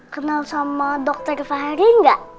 kenal sama dokter fahri nggak